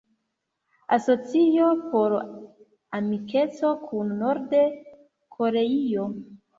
Asocio por Amikeco kun Nord-Koreio.